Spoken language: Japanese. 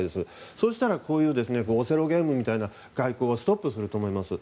そうしたら、こうしたオセロゲームみたいな外交はストップすると思います。